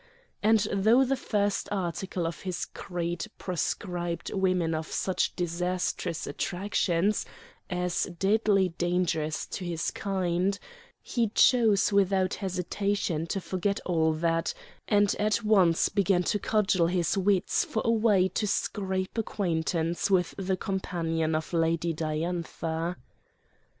And though the first article of his creed proscribed women of such disastrous attractions as deadly dangerous to his kind, he chose without hesitation to forget all that, and at once began to cudgel his wits for a way to scrape acquaintance with the companion of Lady Diantha.